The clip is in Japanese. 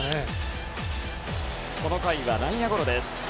この回は内野ゴロです。